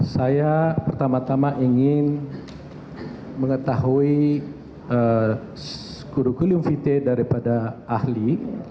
saya pertama tama ingin mengetahui kurikulum vt daripada ahli